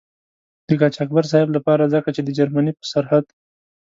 د قاچاقبر صاحب له پاره ځکه چې د جرمني په سرحد.